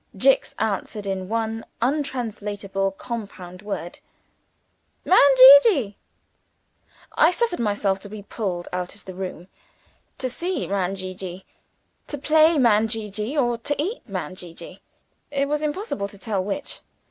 Jicks answered in one untranslatable compound word: "Man Gee gee." I suffered myself to be pulled out of the room to see "Man Gee gee," to play "Man Gee gee," or to eat "Man Gee gee," it was impossible to tell which.